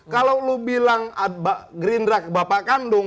kalau lo bilang gerindra ke bapak kandung